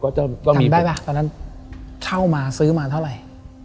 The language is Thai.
จำได้ป่ะตอนนั้นเช่ามาซื้อมาเท่าไหร่